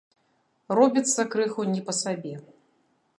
Робіцца крыху не па сабе.